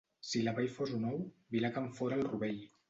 Si la Vall fos un ou, Vilac en fora el rovell.